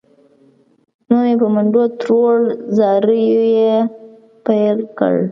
نو مې په منډو تروړ، زاریو یې پیل وکړ.